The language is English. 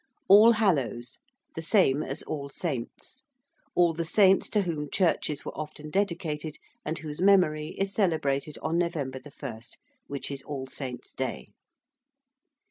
~Allhallows~: the same as All Saints all the saints to whom churches were often dedicated, and whose memory is celebrated on November 1, which is All Saints' Day.